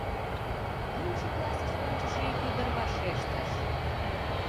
Луымшо классыш вончышо ик ӱдыр вашештыш: